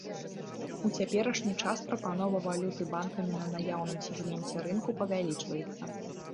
У цяперашні час прапанова валюты банкамі на наяўным сегменце рынку павялічваецца.